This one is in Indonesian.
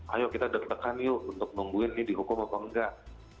ayo kita deg degan yuk untuk nungguin ini dihukum apa enggak